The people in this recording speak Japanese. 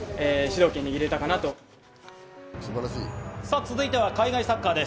続いては海外サッカーです。